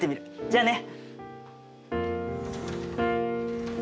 じゃあね。